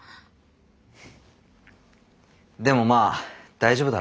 フッでもまあ大丈夫だろ。